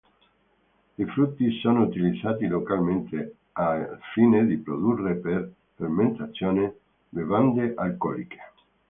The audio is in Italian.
I frutti sono utilizzati localmente al fine di produrre per fermentazione bevande alcoliche.